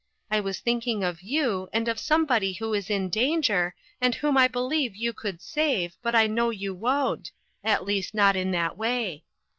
I was thinking of you, and of some body who is in danger, and whom I believe you could save, but I know you won't at least not in that way.